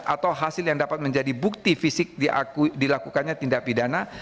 atau hasil yang dapat menjadi bukti fisik dilakukannya tindak pidana